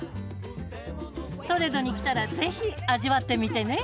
トレドに来たらぜひ味わってみてね。